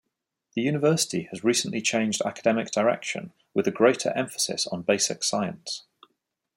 The university has recently changed academic direction, with a greater emphasis on basic science.